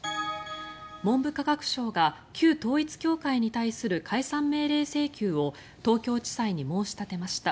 文部科学省が旧統一教会に対する解散命令請求を東京地裁に申し立てました。